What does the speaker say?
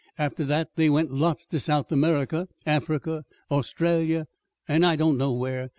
After that they went lots to South America, Africa, Australia, and I don't know where.